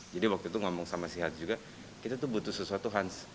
jadi waktu itu ngomong sama si hans juga kita tuh butuh sesuatu hans